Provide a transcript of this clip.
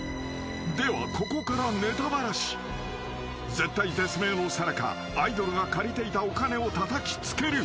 ［絶体絶命のさなかアイドルが借りていたお金をたたきつける］